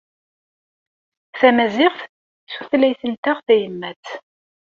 Tamaziɣt d tutlayt-nteɣ tayemmat.